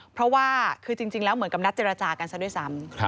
เพราะว่าคือจริงแล้วเหมือนกับนัดเจรจากันซะด้วยซ้ำ